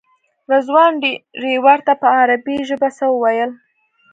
رضوان ډریور ته په عربي ژبه څه وویل.